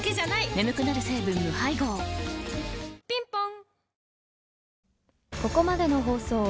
眠くなる成分無配合ぴんぽん